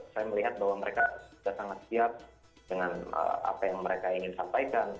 saya melihat bahwa mereka sudah sangat siap dengan apa yang mereka ingin sampaikan